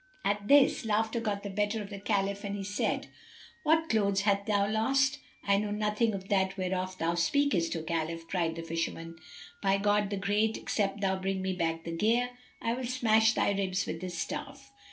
At this, laughter got the better of the Caliph and he said; "What clothes hast thou lost? I know nothing of that whereof thou speakest, O Khalif." Cried the Fisherman, "By God the Great, except thou bring me back the gear, I will smash thy ribs with this staff!"